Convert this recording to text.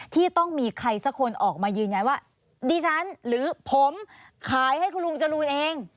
ที่ต้องมีใครสักคนออกมายืนยันว่าดิฉันหรือผมขายให้คุณลุงจรูนเอง